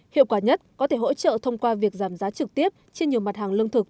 hiệu quả nhất có thể hỗ trợ thông qua việc giảm giá trực tiếp trên nhiều mặt hàng lương thực